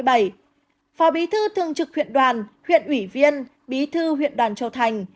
phó bí thư thường trực huyện đoàn huyện ủy viên bí thư huyện đoàn châu thành